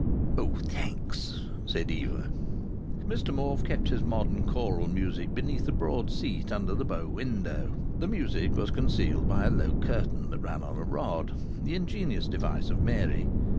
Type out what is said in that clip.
"Oh, thanks!" said Eva. Mr Morfe kept his modern choral music beneath a broad seat under the bow window. The music was concealed by a low curtain that ran on a rod the ingenious device of Mary.